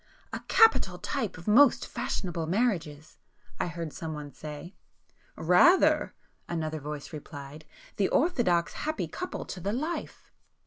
[p 278]"A capital type of most fashionable marriages!" I heard some one say. "Rather!" another voice replied—"The orthodox 'happy couple' to the life!"